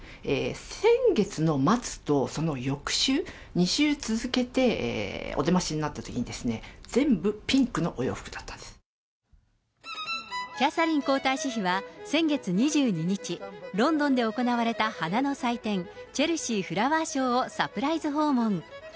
先月の末と、その翌週、２週続けてお出ましになったときにですね、キャサリン皇太子妃は先月２２日、ロンドンで行われた花の祭典、チェルシーフラワーショーをサプライズ訪問。